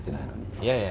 いやいや。